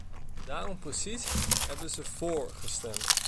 Daarom precies hebben ze vóór gestemd.